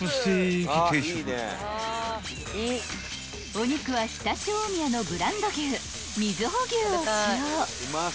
［お肉は常陸大宮のブランド牛瑞穂牛を使用］